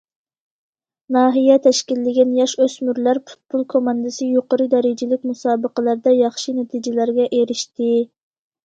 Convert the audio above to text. ناھىيە تەشكىللىگەن ياش- ئۆسمۈرلەر پۇتبول كوماندىسى يۇقىرى دەرىجىلىك مۇسابىقىلەردە ياخشى نەتىجىلەرگە ئېرىشتى.